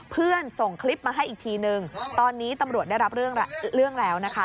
เพื่อนส่งคลิปมาให้อีกทีนึงตอนนี้ตำรวจได้รับเรื่องแล้วนะคะ